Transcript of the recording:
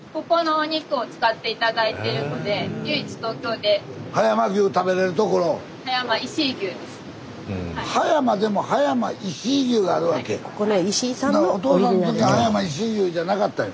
おとうさんの時葉山石井牛じゃなかったんや。